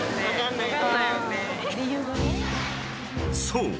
［そう。